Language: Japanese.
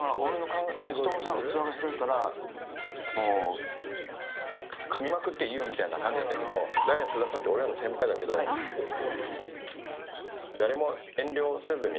やすともさんて器が広いから、もうかみまくっていいよみたいな感じやったけど、ダイアン・津田さんって俺らの先輩だけど、誰も遠慮せずに。